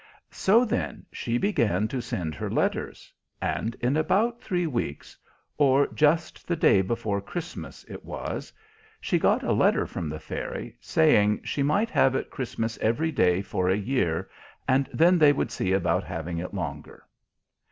So, then, she began to send her letters; and in about three weeks or just the day before Christmas, it was she got a letter from the Fairy, saying she might have it Christmas every day for a year, and then they would see about having it longer.